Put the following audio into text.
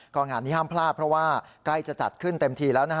ก็งานนี้ห้ามพลาดเพราะว่าใกล้จะจัดขึ้นเต็มทีแล้วนะฮะ